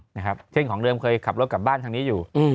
นะครับเช่นของเดิมเคยขับรถกลับบ้านทางนี้อยู่